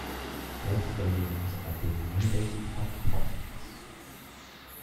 Both stadiums are being renovated by Populous.